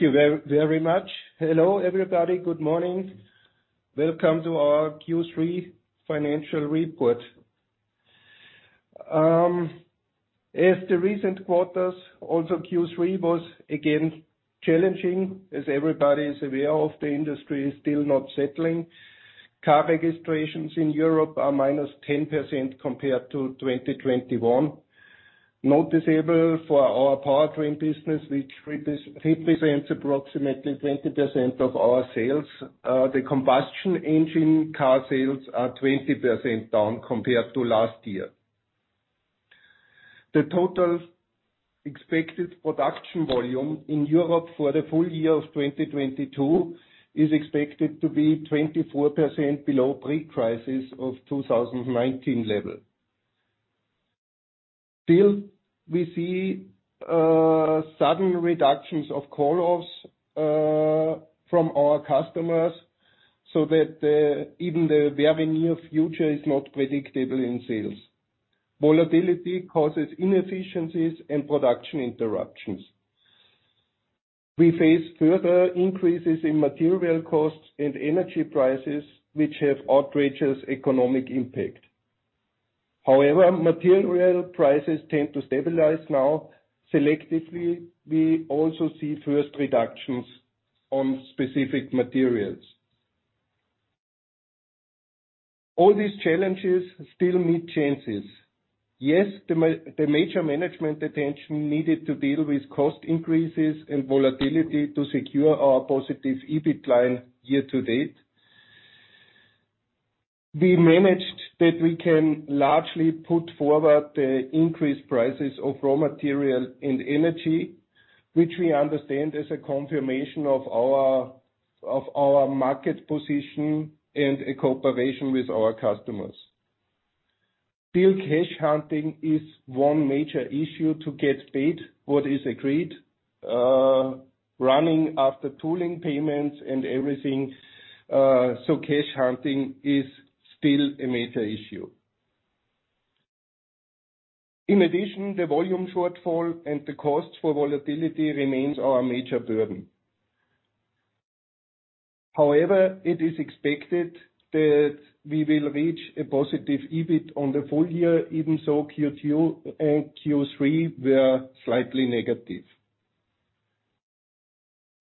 Thank you very much. Hello, everybody. Good morning. Welcome to our Q3 financial report. As in the recent quarters, also Q3 was again challenging, as everybody is aware, the industry is still not settling. Car registrations in Europe are minus 10% compared to 2021. Noticeable for our powertrain business, which represents approximately 20% of our sales, the combustion engine car sales are 20% down compared to last year. The total expected production volume in Europe for the full year of 2022 is expected to be 24% below pre-crisis 2019 level. Still, we see sudden reductions of call-offs from our customers so that even the very near future is not predictable in sales. Volatility causes inefficiencies and production interruptions. We face further increases in material costs and energy prices, which have outrageous economic impact. However, material prices tend to stabilize now. Selectively, we also see first reductions on specific materials. All these challenges still meet chances. Yes, the major management attention needed to deal with cost increases and volatility to secure our positive EBIT line year to date. We managed that we can largely pass on the increased prices of raw material and energy, which we understand as a confirmation of our market position and a cooperation with our customers. Still, cash hunting is one major issue to get paid what is agreed, running after tooling payments and everything, so cash hunting is still a major issue. In addition, the volume shortfall and the cost for volatility remains our major burden. However, it is expected that we will reach a positive EBIT on the full year, even so Q2 and Q3 were slightly negative.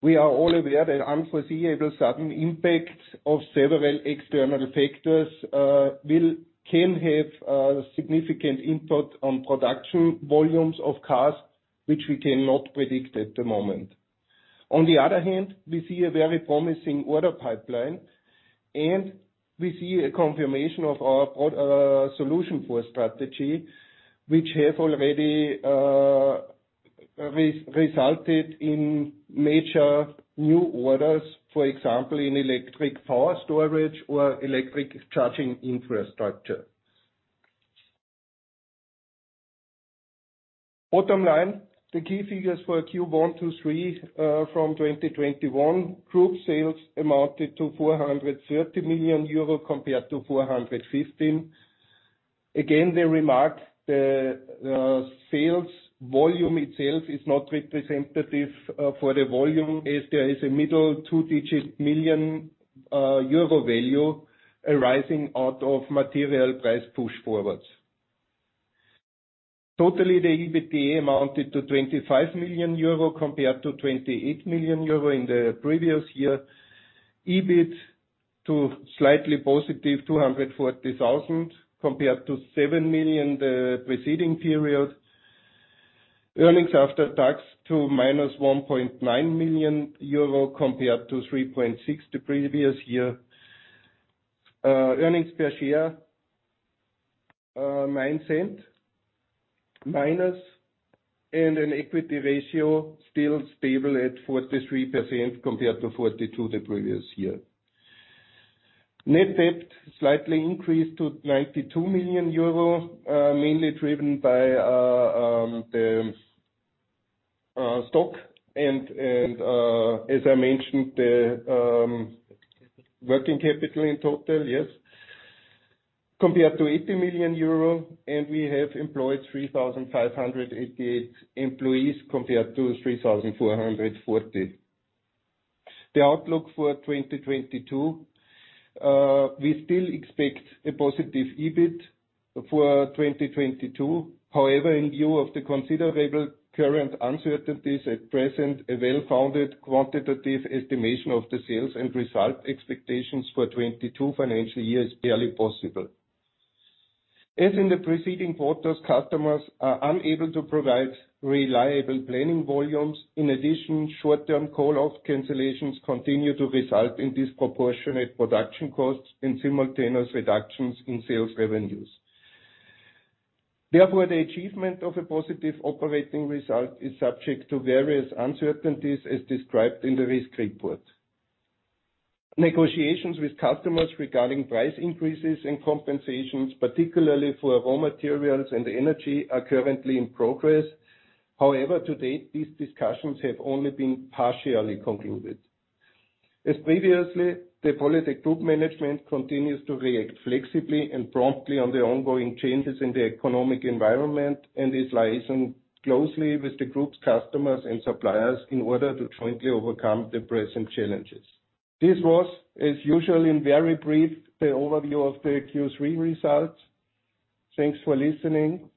We are all aware that unforeseeable sudden impact of several external factors can have significant impact on production volumes of cars which we cannot predict at the moment. On the other hand, we see a very promising order pipeline, and we see a confirmation of our proven solution and strategy which have already resulted in major new orders, for example, in electric power storage or electric charging infrastructure. Bottom line, the key figures for Q1 to Q3 from 2021, Group sales amounted to 430 million euro compared to 415 million. Again, the remark, the sales volume itself is not representative for the volume as there is a mid-two-digit million EUR value arising out of material price push forwards. Totally, the EBITDA amounted to 25 million euro compared to 28 million euro in the previous year. EBIT to slightly positive 240 thousand compared to 7 million the preceding period. Earnings after tax to -1.9 million euro compared to 3.6 million the previous year. Earnings per share -0.09 EUR, and an equity ratio still stable at 43% compared to 42% the previous year. Net debt slightly increased to 92 million euro, mainly driven by the stock and, as I mentioned, Working capital. Working capital in total, yes, compared to 80 million euro, and we have employed 3,588 employees compared to 3,440. The outlook for 2022, we still expect a positive EBIT for 2022. However, in view of the considerable current uncertainties at present, a well-founded quantitative estimation of the sales and result expectations for 2022 financial year is barely possible. As in the preceding quarters, customers are unable to provide reliable planning volumes. In addition, short-term call-off cancellations continue to result in disproportionate production costs and simultaneous reductions in sales revenues. Therefore, the achievement of a positive operating result is subject to various uncertainties as described in the risk report. Negotiations with customers regarding price increases and compensations, particularly for raw materials and energy, are currently in progress. However, to date, these discussions have only been partially concluded. As previously, the POLYTEC Group management continues to react flexibly and promptly to the ongoing changes in the economic environment and is liaising closely with the group's customers and suppliers in order to jointly overcome the present challenges. This was, as usual, in very brief, the overview of the Q3 results. Thanks for listening.